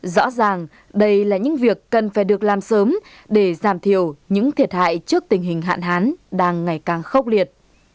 rõ ràng đây là những việc cần phải được làm sớm để giảm thiểu những thiệt hại trước tình hình hạn hán đang ngày càng khốc liệt